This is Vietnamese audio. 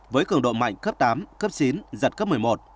với cường độ mạnh cấp tám cấp chín giật cấp một mươi một